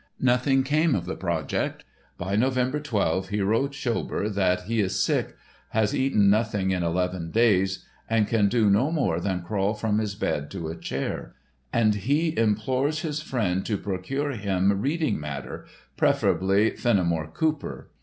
Nothing came of the project. By November 12 he wrote Schober that "he is sick, has eaten nothing in eleven days and can do no more than crawl from his bed to a chair." And he implores his friend to procure him reading matter, preferably Fenimore Cooper.